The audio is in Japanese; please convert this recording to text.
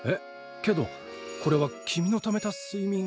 けどこれは君のためたすいみん。